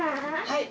はい。